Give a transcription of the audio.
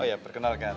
oh ya perkenalkan